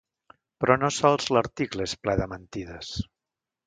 Però no sols l’article és ple de mentides.